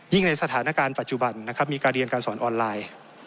ในสถานการณ์ปัจจุบันนะครับมีการเรียนการสอนออนไลน์